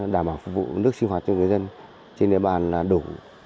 đảm bảo phục vụ nước sinh hoạt cho người dân trên địa bàn là đủ